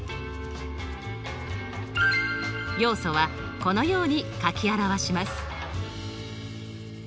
要素はこのように書き表します。